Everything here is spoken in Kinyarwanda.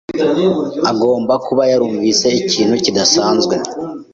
Agomba kuba yarumvise ikintu kidasanzwe.